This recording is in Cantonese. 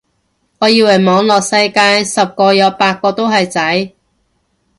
我以為網絡世界十個有八個都係仔